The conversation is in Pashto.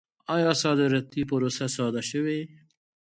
آیا صادراتي پروسه ساده شوې؟